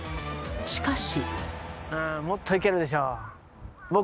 しかし。